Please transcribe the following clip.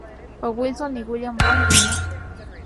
O. Wilson y William Brown, Jr.